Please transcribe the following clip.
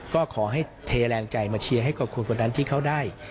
ก็ขอให้เทแรงใจมาเชียร์ให้ขอบคุณคนนั้นที่เขาได้